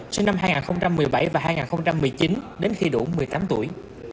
sinh năm hai nghìn một mươi bảy và hai nghìn một mươi chín đến khi đủ một mươi tám tuổi